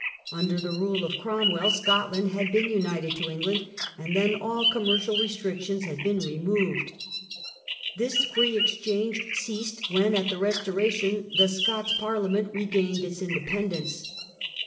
Under the rule of Cromwell Scotland had been united to England, and then all com mercial restrictions had been removed. This free ex change ceased when, at the Restoration, the Scots Par liament regained its independence.